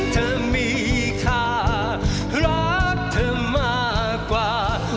แชมป์กลุ่มนี้คือ